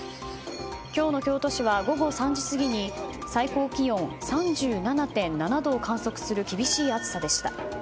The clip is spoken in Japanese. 今日の京都市は午後３時過ぎに最高気温３７．７度を観測する厳しい暑さでした。